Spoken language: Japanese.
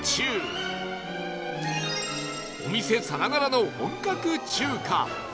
お店さながらの本格中華